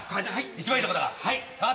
一番いいとこだから。